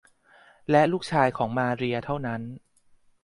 และลูกชายของมาเรียเท่านั้น